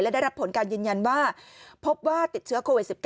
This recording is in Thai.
ได้รับผลการยืนยันว่าพบว่าติดเชื้อโควิด๑๙